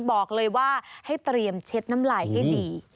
บอกเลยว่าให้เตรียมเช็ดน้ำลายให้ดี